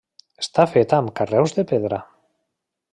Està feta amb carreus de pedra.